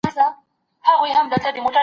چېري د سوداګرۍ نړیوال سازمان غونډي کوي؟